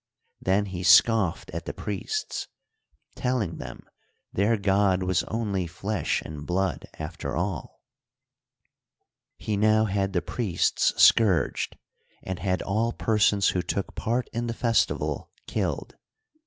Then he scoffed at the priests, telling them their ^od was only flesh and blood, after all. He now had the priests scourged, and had all persons who took part in the festival kiUed.